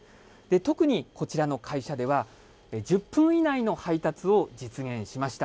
特にこちらの会社では、１０分以内の配達を実現しました。